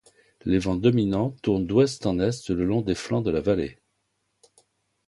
Les vents dominants tournent d’ouest en est le long des flancs de la vallée.